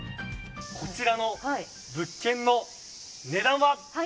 こちらの物件の値段は。